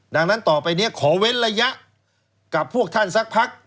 ดังนั้นต่อไปนี้ขอเว้นระยะกับพวกท่านสักพัก